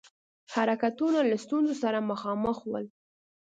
حرکتونه له ستونزو سره مخامخ ول.